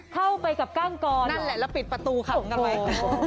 เข้าไปกับก้างกรนั่นแหละแล้วปิดประตูขังกันไป